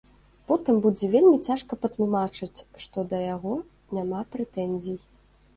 Потым будзе вельмі цяжка патлумачыць, што да яго няма прэтэнзій.